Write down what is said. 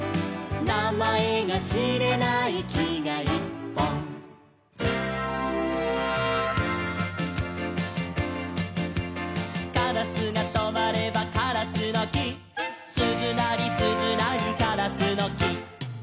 「なまえがしれないきがいっぽん」「カラスがとまればカラスのき」「すずなりすずなりカラスのき」